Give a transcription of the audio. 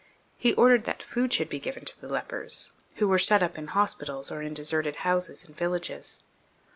He ordered that food should be given to the lepers who were shut up in their hospitals, or in deserted houses in viUages.